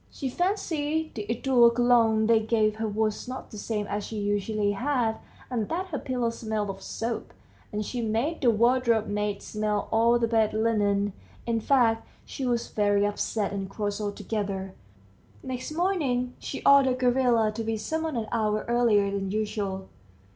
She fancied the eau de Cologne they gave her was not the same as she usually had, and that her pillow smelt of soap, and she made the wardrobe maid smell all the bed linen in fact she was very upset and cross altogether. Next morning she ordered Gavrila to be summoned an hour earlier than usual.